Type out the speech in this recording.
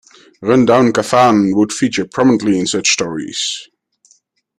Run-down kafane would feature prominently in such stories.